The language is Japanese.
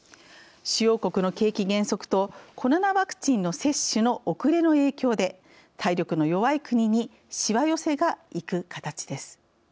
主要国の景気減速とコロナワクチンの接種の遅れの影響で、体力の弱い国にしわ寄せがいく形です。